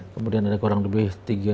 kemudian ada kurang lebih tiga belas